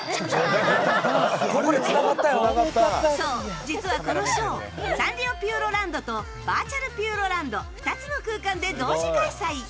そう、実はこのショーサンリオピューロランドとバーチャルピューロランド２つの空間で同時開催。